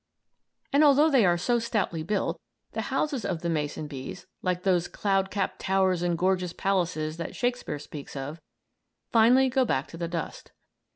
] And although they are so stoutly built, the houses of the mason bees, like those "cloud capped towers and gorgeous palaces" that Shakespere speaks of, finally go back to the dust.